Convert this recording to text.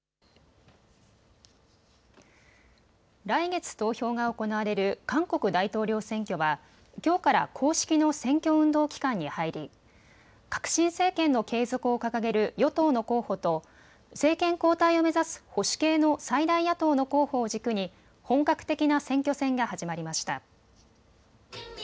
来月投票が行われる韓国大統領選挙はきょうから公式の選挙運動期間に入り革新政権の継続を掲げる与党の候補と政権交代を目指す保守系の最大野党の候補を軸に本格的な選挙戦が始まりました。